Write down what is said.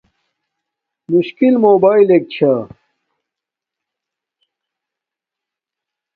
مشکل موباݵلک چھا